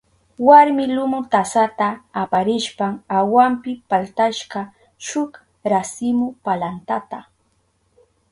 Warmi lumu tasata aparishpan awanpi paltashka shuk rasimu palantata.